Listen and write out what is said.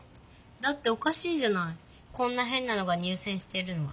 だっておかしいじゃないこんなへんなのが入せんしてるのは。